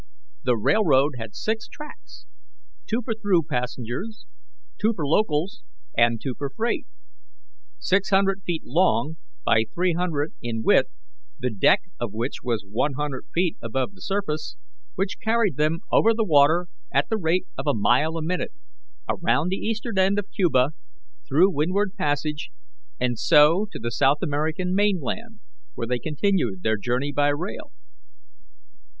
The railroad had six tracks, two for through passengers, two for locals, and two for freight. There they took a "water spider," six hundred feet long by three hundred in width, the deck of which was one hundred feet above the surface, which carried them over the water at the rate of a mile a minute, around the eastern end of Cuba, through Windward Passage, and so to the South American mainland, where they continued their journey by rail.